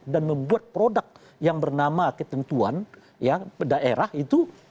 dan membuat produk yang bernama ketentuan daerah itu